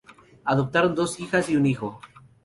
Adoptaron dos hijas y un hijo.